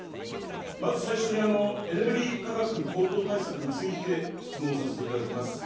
まず最初に、エネルギー価格高騰対策について質問させていただきます。